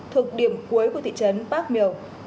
thuộc điểm cuối của thị trấn bác miều